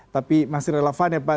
tapi masih relevan ya pak